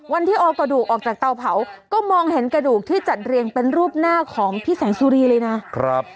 วันที่เอากระดูกออกจากเตาเผาก็มองเห็นกระดูกที่จัดเรียงเป็นรูปหน้าของพี่แสงสุรีเลยนะครับ